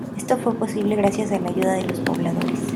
Esto fue posible gracias a la ayuda de los pobladores.